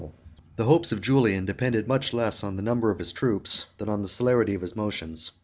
] The hopes of Julian depended much less on the number of his troops, than on the celerity of his motions.